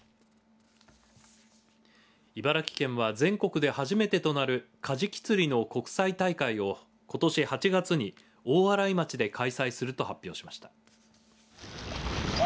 茨城県は全国で初めてとなるカジキ釣りの国際大会をことし８月に大洗町で開催すると発表しました。